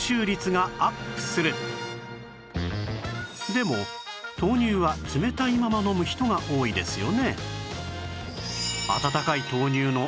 でも豆乳は冷たいまま飲む人が多いですよね